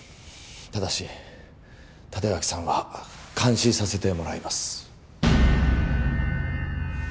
ただし立脇さんは監視させてもらいます